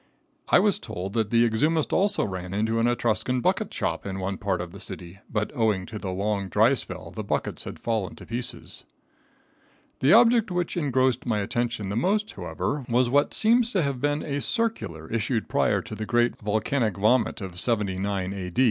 I was told that the exhumist also ran into an Etruscan bucket shop in one part of the city, but, owing to the long, dry spell, the buckets had fallen to pieces. The object which engrossed my attention the most, however, was what seems to have been a circular issued prior to the great volcanic vomit of 79 A.